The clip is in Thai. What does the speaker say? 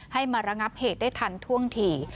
มาระงับเหตุได้ทันท่วงที